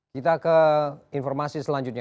kita ke informasi selanjutnya